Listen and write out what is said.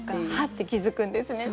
って気付くんですね